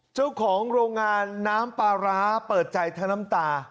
เจ้าของโรงงานน้ำปลาร้าเปิดใจทั้งน้ำตา